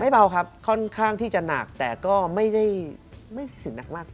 เบาครับค่อนข้างที่จะหนักแต่ก็ไม่ได้ถึงหนักมาก